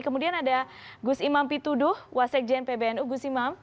kemudian ada gus imam pituduh wasek jnpbnu gus imam